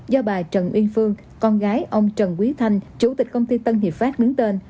do bà trần uyên phương con gái ông trần quý thanh chủ tịch công ty tân hiệp pháp đứng tên